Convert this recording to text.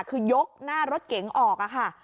คือยกหน้ารถเก๋งออกค่ะ